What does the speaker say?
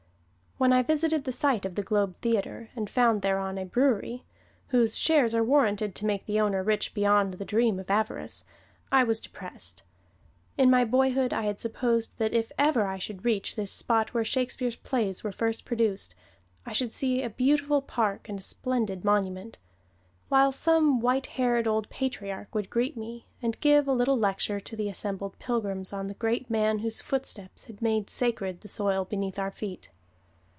When I visited the site of the Globe Theater and found thereon a brewery, whose shares are warranted to make the owner rich beyond the dream of avarice, I was depressed. In my boyhood I had supposed that if ever I should reach this spot where Shakespeare's plays were first produced, I should see a beautiful park and a splendid monument; while some white haired old patriarch would greet me, and give a little lecture to the assembled pilgrims on the great man whose footsteps had made sacred the soil beneath our feet.